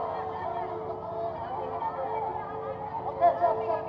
saya tidak mau berdiskusi saya akan berdiskusi